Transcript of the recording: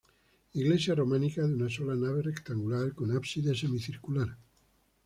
Iglesia románica de una sola nave rectangular, con ábside semicircular.